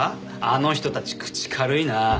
あの人たち口軽いなあ。